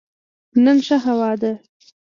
نن ښه هوا ده